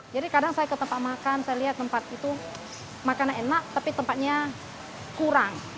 jadi kadang saya ke tempat makan saya lihat tempat itu makanan enak tapi tempatnya kurang